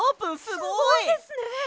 すごいですね！